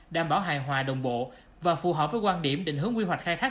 đảm bảo hài hòa đồng bộ và phù hợp với quan điểm định hướng quy hoạch khai thác